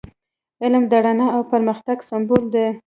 علم د رڼا او پرمختګ سمبول دی.